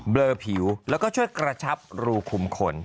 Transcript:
เลอผิวแล้วก็ช่วยกระชับรูคุมขน